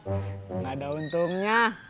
enggak ada untungnya